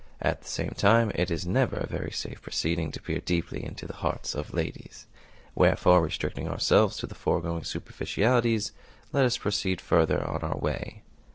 At the same time, it is never a very safe proceeding to peer deeply into the hearts of ladies; wherefore, restricting ourselves to the foregoing superficialities, let us proceed further on our way.